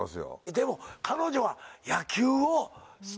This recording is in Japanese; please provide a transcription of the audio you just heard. でも彼女は。